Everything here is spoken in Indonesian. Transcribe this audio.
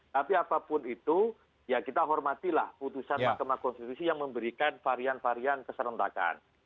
tapi apapun itu ya kita hormatilah putusan mahkamah konstitusi yang memberikan varian varian keserentakan